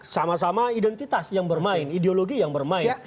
sama sama identitas yang bermain ideologi yang bermain